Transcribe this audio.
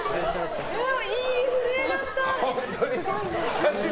いい震えだった！